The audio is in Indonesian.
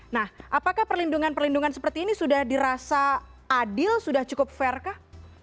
nah apakah perlindungan perlindungan seperti ini sudah dirasa adil sudah cukup fair kah